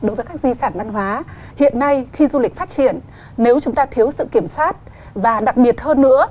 đối với các di sản văn hóa hiện nay khi du lịch phát triển nếu chúng ta thiếu sự kiểm soát và đặc biệt hơn nữa